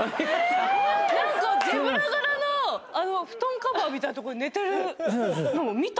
なんかゼブラ柄の布団カバーみたいなとこで寝てるのを見た！